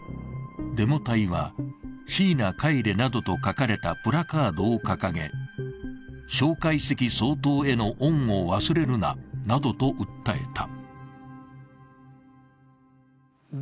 デモ隊は「椎名帰れ」などと書かれたプラカードを掲げ、蒋介石総統への恩を忘れるななどと訴えた。